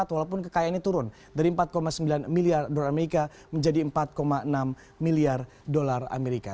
walaupun kekayaannya turun dari empat sembilan miliar dolar amerika menjadi empat enam miliar dolar amerika